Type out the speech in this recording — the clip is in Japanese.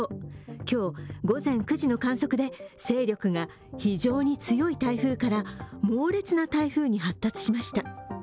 今日、午前９時の観測で勢力が非常に強い台風から猛烈な台風に発達しました。